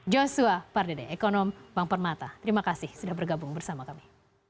joshua pardede ekonom bank permata terima kasih sudah bergabung bersama kami